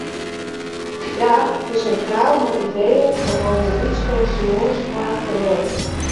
Hja is in frou mei ideeën en mei in útsprutsen noas foar talint.